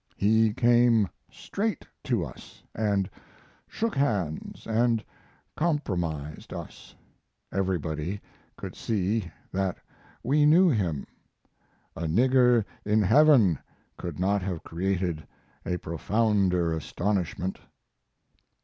He came straight to us, and shook hands and compromised us. Everybody could see that we knew him. A nigger in heaven could not have created a profounder astonishment.